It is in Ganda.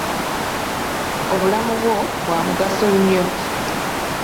Obulamu bwo bwa mugaso nnyo.